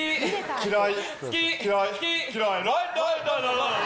嫌い。